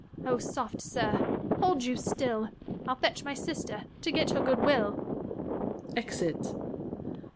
Luc. O, soft, sir! hold you still: I'll fetch my sister, to get her good will. [_Exit.